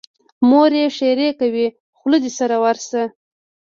مور یې ښېرې کوي: خوله دې سره ورشه.